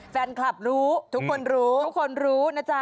แฟนคลับรู้ทุกคนรู้ทุกคนรู้นะจ๊ะ